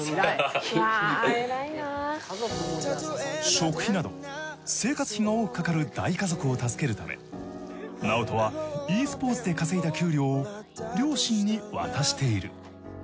食費など生活費が多くかかる大家族を助けるためＮａｏｔｏはｅスポーツで稼いだ給料を両親に渡している。